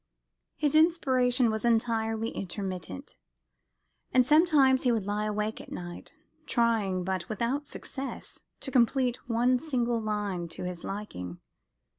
His inspiration was entirely intermittent: and sometimes he would lie awake all night, trying, but without success, to complete one single line to his liking.